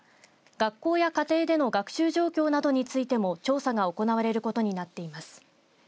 学校や家庭での学習状況などについても調査が行われることになっています。